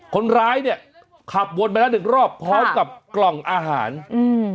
คนร้ายเนี้ยขับวนไปแล้วหนึ่งรอบพร้อมกับกล่องอาหารอืม